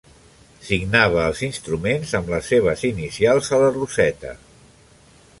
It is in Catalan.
Signava els instruments amb les seves inicials a la roseta.